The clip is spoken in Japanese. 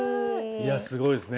いやすごいっすね。